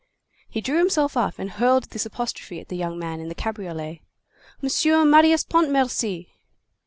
He drew himself up and hurled this apostrophe at the young man in the cabriolet:— "Monsieur Marius Pontmercy!"